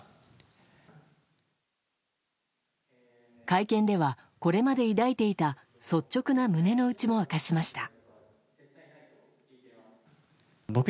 会見では、これまで抱いていた率直な胸の内も明かしました。